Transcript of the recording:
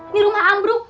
ini rumah ambruk